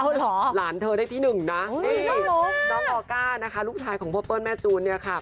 หลานเธอได้ที่หนึ่งนะนี่น้องออก้านะคะลูกชายของพ่อเปิ้ลแม่จูนเนี่ยค่ะ